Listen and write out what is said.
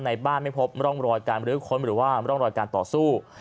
ในบ้านไม่พบร่องรอยการบรื้อค้นหรือว่าร่องรอยการต่อสู้